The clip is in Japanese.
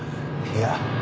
いや。